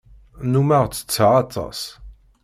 Nnummeɣ ttetteɣ aṭas.